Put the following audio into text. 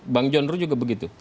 bang johnru juga begitu